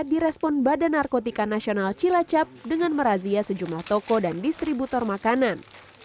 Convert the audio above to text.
direspon badan narkotika nasional cilacap dengan merazia sejumlah toko dan distributor makanan